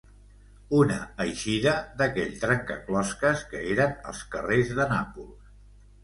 Una eixida d'aquell trencaclosques que eren els carrers de Nàpols.